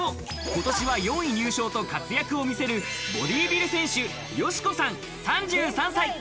今年は４位入賞と活躍を見せるボディビル選手・よしこさん、３３歳。